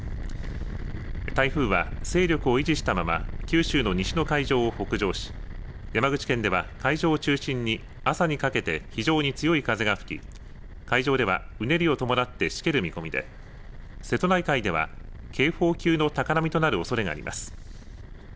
台風は勢力を維持したまま九州の西の海上を北上し山口県では海上を中心に朝にかけて非常に強い風が吹き海上ではうねりを伴ってしける見込みで瀬戸内海では警報級の高波となるおそれがあります。